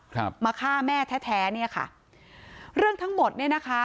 ครับมาฆ่าแม่แท้แท้เนี้ยค่ะเรื่องทั้งหมดเนี้ยนะคะ